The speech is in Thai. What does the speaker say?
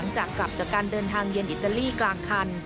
จากกลับจากการเดินทางเยือนอิตาลีกลางคัน